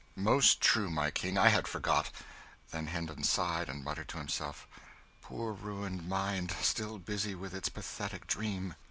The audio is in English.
"Most true, my King, I had forgot." Then Hendon sighed, and muttered to himself, "Poor ruined mind still busy with its pathetic dream."